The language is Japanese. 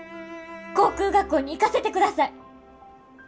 航空学校に行かせてください。